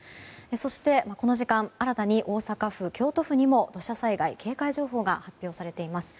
そしてこの時間新たに大阪府、京都府にも土砂災害警戒情報が発表されています。